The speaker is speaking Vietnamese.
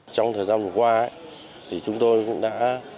trong thời gian vừa qua chúng tôi cũng đã